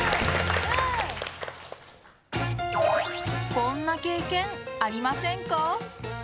こんな経験ありませんか？